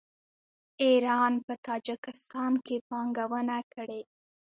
ایران په تاجکستان کې پانګونه کړې.